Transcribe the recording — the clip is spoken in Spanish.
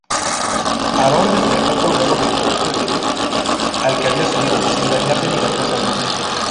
Aaron despertó colgado del poste del luz al que había subido, sin dañarse milagrosamente.